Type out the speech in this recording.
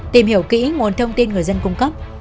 tìm hiểu kỹ nguồn thông tin người dân cung cấp